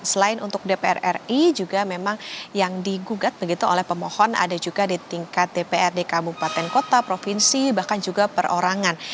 selain untuk dpr ri juga memang yang digugat begitu oleh pemohon ada juga di tingkat dprd kabupaten kota provinsi bahkan juga perorangan